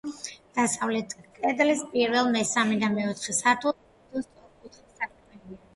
დასავლეთ კედლის პირველ, მესამე და მეოთხე სართულზე თითო სწორკუთხა სარკმელია.